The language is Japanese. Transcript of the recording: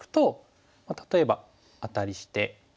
例えばアタリして。